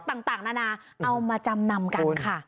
ต่างต่างนะนาเอามาจำนำมกันคุณ